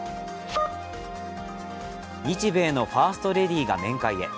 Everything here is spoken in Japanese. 日米のファーストレディが面会へ。